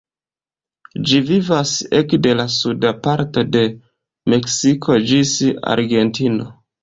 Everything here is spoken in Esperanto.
Ĝi vivas ekde la suda parto de Meksiko ĝis Argentino.